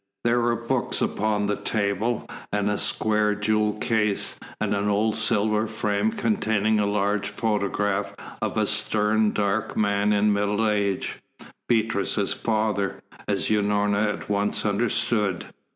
There were books upon the table, and a square jewel case, and an old silver frame containing a large photograph of a stern, dark man in middle age Beatrice's father, as Unorna at once understood.